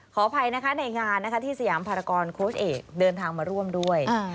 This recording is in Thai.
ขออภัยนะคะในงานนะคะที่สยามภารกรโค้ชเอกเดินทางมาร่วมด้วย